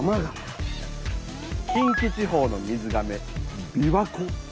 近畿地方の水がめ琵琶湖。